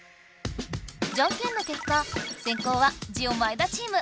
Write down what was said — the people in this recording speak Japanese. じゃんけんの結果先攻はジオ前田チーム。